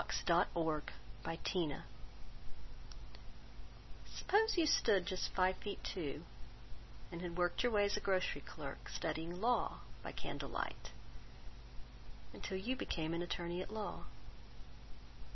Judge Selah Lively Suppose you stood just five feet two, And had worked your way as a grocery clerk, Studying law by candle light Until you became an attorney at law?